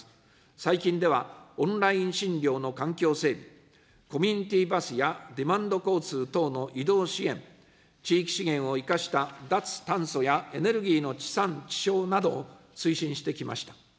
最近では、オンライン診療の環境整備、コミュニティバスやデマンド交通等の移動支援、地域資源を生かした脱炭素やエネルギーの地産地消などを推進してきました。